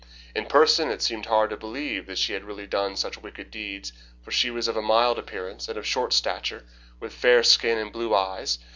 In person it seemed hard to believe that she had really done such wicked deeds, for she was of a mild appearance, and of short stature, with a fair skin and blue eyes.